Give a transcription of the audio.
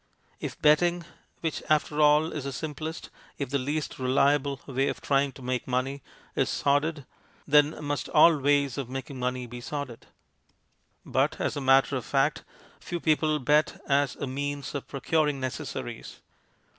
If betting, which after all is the simplest, if the least reliable, way of trying to make money, is sordid, then must all ways of making money be sordid. But, as a matter of fact, few people bet as a means of pro curing necessaries.